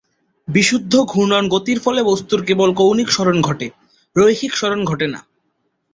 বিশুদ্ধ ঘূর্ণন গতির ফলে বস্তুর কেবল কৌণিক সরণ ঘটে, রৈখিক সরণ ঘটে না।